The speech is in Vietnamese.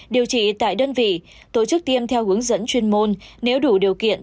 điều trị tại đơn vị tổ chức tiêm theo hướng dẫn chuyên môn nếu đủ điều kiện